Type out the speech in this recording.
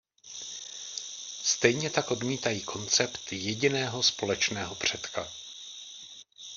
Stejně tak odmítají koncept jediného společného předka.